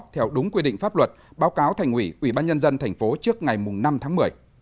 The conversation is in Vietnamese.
theo đúng quy định pháp luật báo cáo thành ủy ubnd tp trước ngày năm tháng một mươi